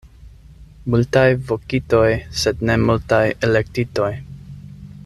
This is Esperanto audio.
Multaj vokitoj, sed ne multaj elektitoj.